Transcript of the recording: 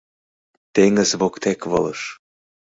Теҥыз воктек волыш.